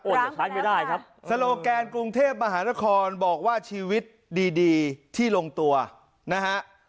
จะใช้ไม่ได้ครับโซโลแกนกรุงเทพมหานครบอกว่าชีวิตดีที่ลงตัวนะฮะ